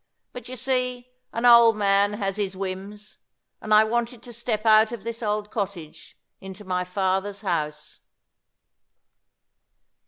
But you see, an old man has his whims; and I wanted to step out of this old cottage into my Father's house."